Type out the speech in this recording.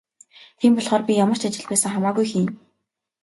Тийм болохоор би ямар ч ажил байсан хамаагүй хийнэ.